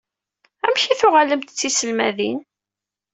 Amek i tuɣalemt d tiselmadin?